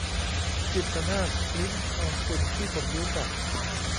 จิตตนาถ ลิ้มทองกุล ที่ผมรู้จัก